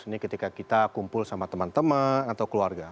ini ketika kita kumpul sama teman teman atau keluarga